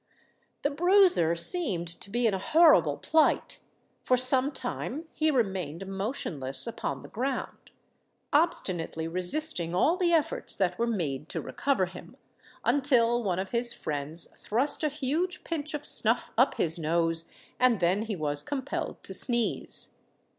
The Bruiser seemed to be in a horrible plight: for some time he remained motionless upon the ground, obstinately resisting all the efforts that were made to recover him, until one of his friends thrust a huge pinch of snuff up his nose—and then he was compelled to sneeze.